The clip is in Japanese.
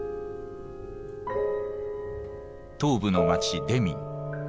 東部の街デミン。